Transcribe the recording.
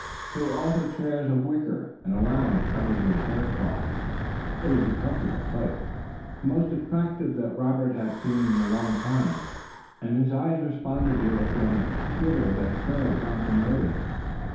There were also chairs of wicker, and a lounge covered with haircloth. It was a comfortable place, the most attractive that Robert had seen in a long time, and his eyes responded to it with a glitter that Colonel Johnson noticed.